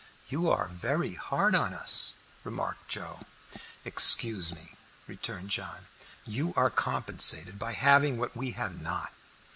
"You are very hard on us," remarked Joe. "Excuse me," returned John, "you are compensated by having what we have not.